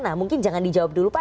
nah mungkin jangan dijawab dulu pak